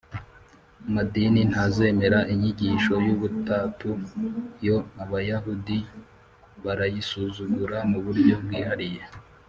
Madini Ntazemera Inyigisho Y Ubutatu Yo Abayahudi Barayisuzugura Mu Buryo Bwihariye